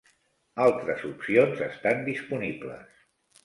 Altres opcions estan disponibles.